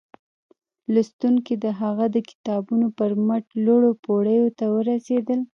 لوستونکي د هغه د کتابونو پر مټ لوړو پوړيو ته ورسېدل